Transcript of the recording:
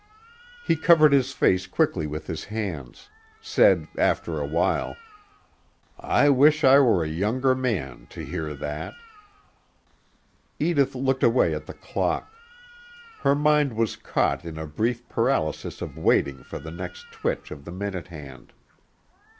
He covered his face quickly with his hands; said after a while: "I wish I were a younger man, to hear that." Edith looked away at the clock. Her mind was caught in a brief paralysis of waiting for the next twitch of the minute hand.